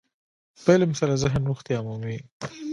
په علم سره ذهن روغتیا مومي.